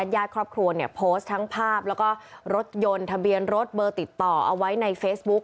ญาติครอบครัวเนี่ยโพสต์ทั้งภาพแล้วก็รถยนต์ทะเบียนรถเบอร์ติดต่อเอาไว้ในเฟซบุ๊ค